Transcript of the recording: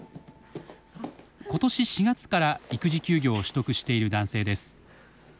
今年４月から育児休業を取得している男性です。